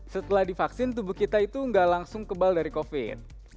setelah divaksin tubuh kita itu nggak langsung kebal dari covid